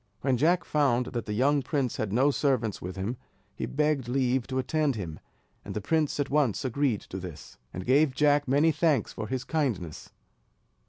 When Jack found that the young prince had no servants with him, he begged leave to attend him; and the prince at once agreed to this, and gave Jack many thanks for his kindness.